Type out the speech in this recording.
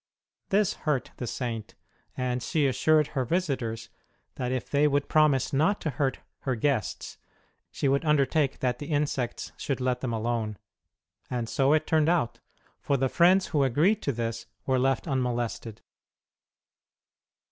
This hurt the Saint, and she assured her visitors that if they would promise not to hurt her guests, she would undertake that the insects should let them alone ; and so it turned out, for the friends who agreed to this were left un molested.